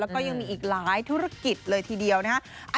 แล้วก็ยังมีอีกหลายธุรกิจเลยทีเดียวนะฮะ